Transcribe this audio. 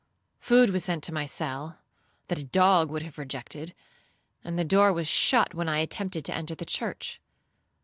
Food was sent to my cell, that a dog would have rejected; and the door was shut when I attempted to enter the church.